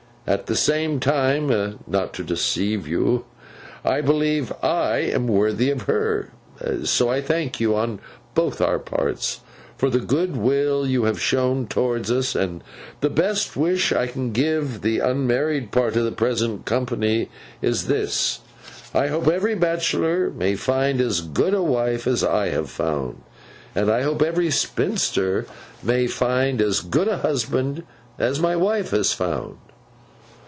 At the same time—not to deceive you—I believe I am worthy of her. So, I thank you, on both our parts, for the good will you have shown towards us; and the best wish I can give the unmarried part of the present company, is this: I hope every bachelor may find as good a wife as I have found. And I hope every spinster may find as good a husband as my wife has found.